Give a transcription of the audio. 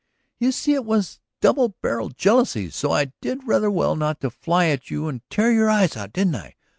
"You see it was double barrelled jealousy; so I did rather well not to fly at you and tear your eyes out, didn't I?